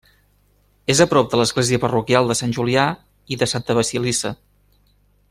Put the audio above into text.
És a prop de l'església parroquial de Sant Julià i Santa Basilissa.